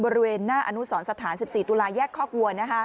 บริเวณหน้าอนุสรสถาน๑๔ตุลาแยกคอกวัว